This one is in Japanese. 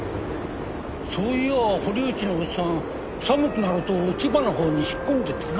そういやあ堀内のおっさん寒くなると千葉のほうに引っ込んでたな。